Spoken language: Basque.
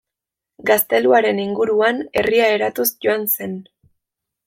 Gazteluaren inguruan herria eratuz joan zen.